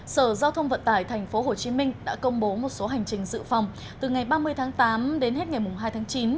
sở giao thông vận tải tp hcm đã công bố một số hành trình dự phòng từ ngày ba mươi tháng tám đến hết ngày hai tháng chín